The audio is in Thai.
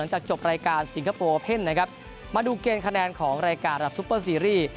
จากจบรายการสิงคโปร์เพ่นนะครับมาดูเกณฑ์คะแนนของรายการระดับซุปเปอร์ซีรีส์